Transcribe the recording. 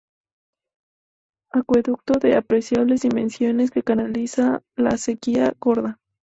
Acueducto de apreciables dimensiones que canaliza la acequia Gorda.